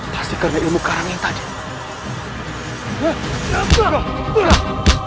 pasti karena ilmu karang yang tajam